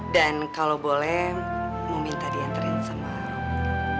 dan kalau boleh mau minta diantarin sama robby